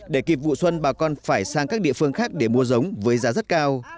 để kịp vụ xuân bà con phải sang các địa phương khác để mua giống với giá rất cao